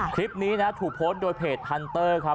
คลิปนี้นะถูกโพสต์โดยเพจฮันเตอร์ครับ